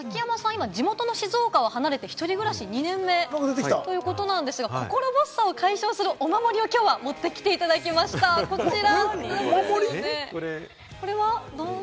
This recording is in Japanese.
今、地元の静岡を離れて２年目ということですが、心細さを解消するお守りを持ってきてくれました、こちら。